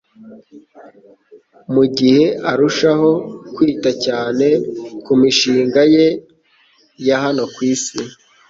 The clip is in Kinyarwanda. mu gihe arushaho kwita cyane ku mishinga ye ya hano ku isi.